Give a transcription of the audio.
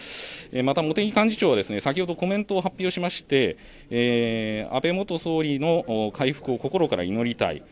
また茂木幹事長は先ほどコメントを発表しまして安倍元総理の回復を心から祈りたい。